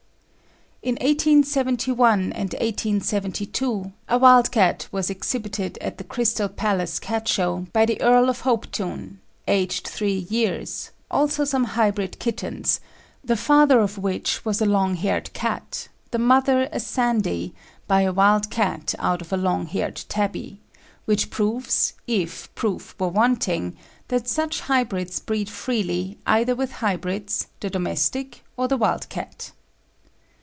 In 1871 and 1872, a wild cat was exhibited at the Crystal Palace Cat Show, by the Earl of Hopetoun, aged three years, also some hybrid kittens, the father of which was a long haired cat, the mother a sandy, by a wild cat out of a long haired tabby, which proves, if proof were wanting, that such hybrids breed freely either with hybrids, the domestic, or the wild cat.